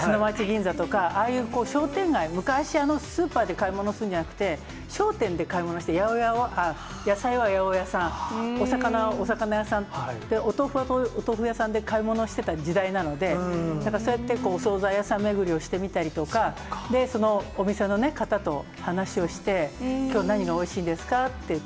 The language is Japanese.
砂町銀座とか、ああいう商店街、昔スーパーで買い物すんじゃなくて、商店で買い物して、野菜は八百屋さん、お魚はお魚屋さん、お豆腐はお豆腐屋さんで買い物してた時代なので、そうやってお総菜屋さん巡りをしてみたりだとか、お店の方と話をして、きょう何がおいしいですか？って言って。